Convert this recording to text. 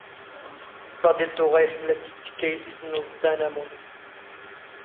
ⴼⴰⴹⵉⵍ ⵜⵓⵖⴰ ⵉⵃⵎⵍ ⴰⴷ ⴷ ⵉⵜⵜⴽⴽⴰ ⵉⵙⵉⵜⵏ ⵏ ⵓⵥⵟⵟⴰ ⴰⵏⴰⵎⵓⵏ.